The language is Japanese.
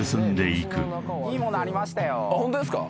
ホントですか？